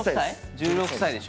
１６歳でしょ。